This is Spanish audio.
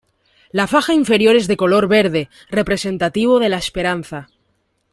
La faja inferior es de color verde, representativo de la esperanza.